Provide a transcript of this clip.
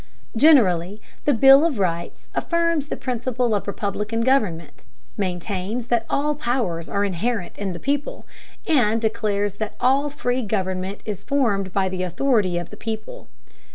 Generally the bill of rights affirms the principle of republican government, maintains that all powers are inherent in the people, and declares that all free government is formed by the authority of the people.